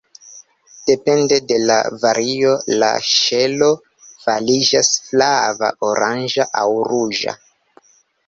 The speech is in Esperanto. Depende de la vario la ŝelo fariĝas flava, oranĝa aŭ ruĝa.